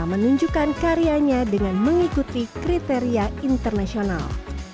menunjukkan karyanya dengan mengikuti kriteria internasional